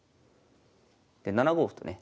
で７五歩とね。